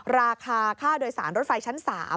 ราคาค่าโดยสารรถไฟชั้น๓